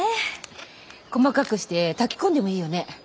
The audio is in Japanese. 細かくして炊き込んでもいいよね？